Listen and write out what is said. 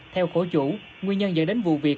theo khổ chủ nguyên nhân dẫn đến vụ việc